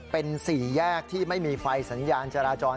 เป็นสี่แยกที่ไม่มีไฟสัญญาณจราจร